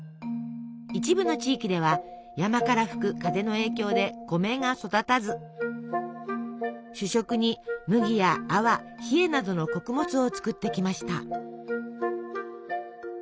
一部の地域では山から吹く風の影響で米が育たず主食に麦やあわひえなどの穀物を作ってきました。